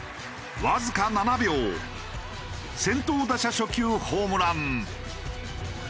わずか７秒先頭打者初球ホームラン。